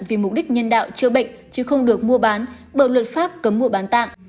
vì mục đích nhân đạo chưa bệnh chứ không được mua bán bầu luật pháp cấm mua bán tạng